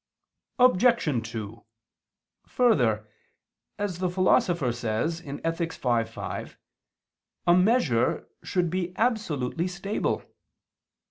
Obj. 2: Further, as the Philosopher says (Ethic. v, 5), a measure should be absolutely stable.